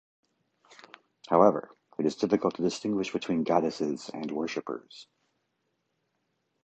However, it is difficult to distinguish between goddesses and worshippers.